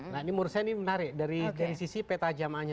menurut saya ini menarik dari sisi peta jamaahnya